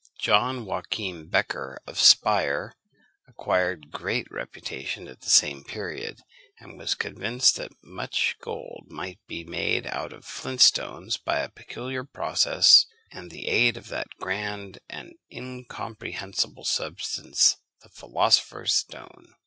John Joachim Becher of Spire acquired great reputation at the same period, and was convinced that much gold might be made out of flint stones by a peculiar process, and the aid of that grand and incomprehensible substance the philosopher's stone.